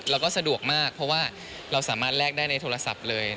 เราก็สะดวกมากเพราะว่าเราสามารถแลกได้ในโทรศัพท์เลย